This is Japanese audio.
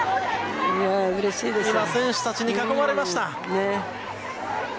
今、選手たちに囲まれました。